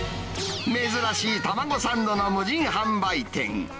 珍しい卵サンドの無人販売店。